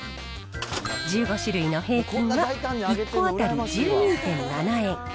１５種類の平均は、１個当たり１２．７円。